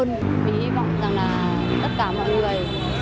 mình hy vọng rằng là tất cả mọi người